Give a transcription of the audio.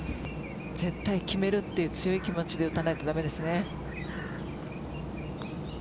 絶対決めるという強い気持ちで打たないと駄目ですね。